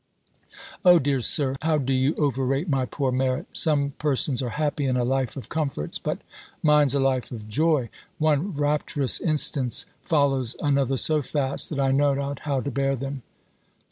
"O dear Sir, how do you overrate my poor merit! Some persons are happy in a life of comforts, but mine's a life of joy! One rapturous instance follows another so fast, that I know not how to bear them."